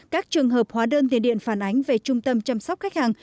các trường hợp hóa đơn tiền điện phản ánh về trung tâm chăm sóc khách hàng